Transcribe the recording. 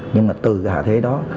nhưng mà từ cái hạ thế đó